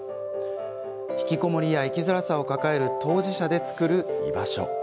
ひきこもりや生きづらさを抱える当事者で作る居場所。